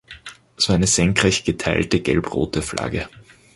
Es war eine senkrecht geteilte gelb-rote Flagge.